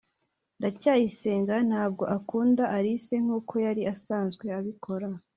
ndacyayisenga ntabwo akunda alice nkuko yari asanzwe abikora